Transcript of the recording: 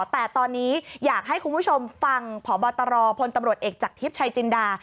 แต่ตอนนี้อยากให้คุณผู้ชมฟังพบตรพลตำรวจเอกจากทิพย์ชัยจินดา